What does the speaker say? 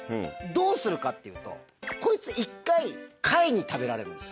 どうするかっていうとこいつ１回貝に食べられるんです。